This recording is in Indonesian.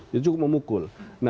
jadi cukup memukul